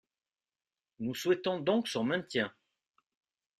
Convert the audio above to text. Nous souhaitons donc son maintien.